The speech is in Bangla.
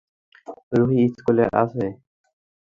রুহি, স্কুলে আছে।